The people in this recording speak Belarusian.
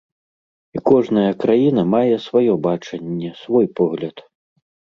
І кожная краіна мае сваё бачанне, свой погляд.